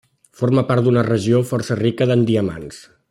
Forma part d'una regió força rica en diamants.